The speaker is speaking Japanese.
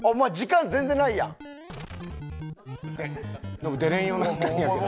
ノブ出れんようになったんやけど。